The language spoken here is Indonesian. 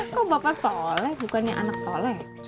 kok bapak shalih bukannya anak shalih